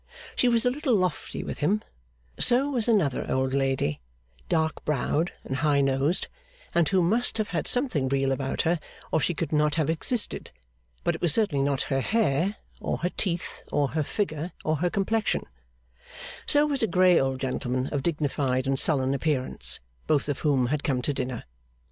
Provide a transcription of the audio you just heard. She was a little lofty with him; so was another old lady, dark browed and high nosed, and who must have had something real about her or she could not have existed, but it was certainly not her hair or her teeth or her figure or her complexion; so was a grey old gentleman of dignified and sullen appearance; both of whom had come to dinner.